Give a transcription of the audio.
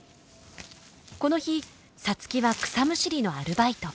この日皐月は草むしりのアルバイト。